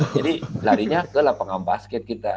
jadi larinya ke lapangan basket kita